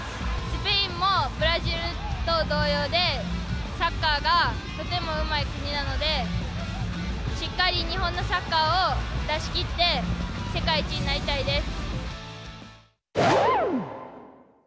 スペインも、ブラジルと同様で、サッカーがとてもうまい国なので、しっかり日本のサッカーを出し切って、世界一になりたいです。